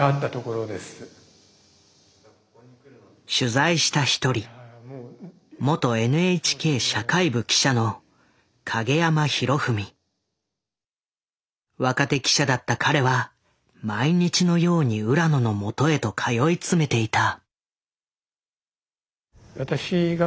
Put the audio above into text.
取材した一人若手記者だった彼は毎日のように浦野のもとへと通い詰めていた。